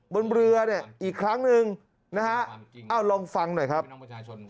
บนเรือเนี่ยอีกครั้งหนึ่งนะฮะเอ้าลองฟังหน่อยครับประชาชน